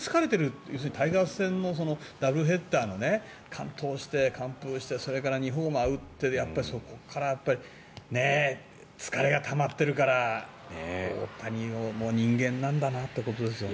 タイガース戦のダブルヘッダーの完投して、完封してそれから２ホーマー打ってそこから疲れがたまってるから大谷も人間なんだなってことですね。